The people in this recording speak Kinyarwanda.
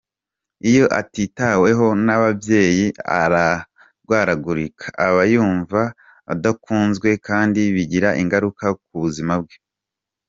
Iyo atitaweho n’ababyeyi, ararwaragurika, aba yumva adakunzwe kandi bigira ingaruka ku buzima bwe.